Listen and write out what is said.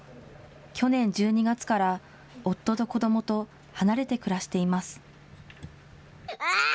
去年１２月から、夫と子どもと離れて暮らしています。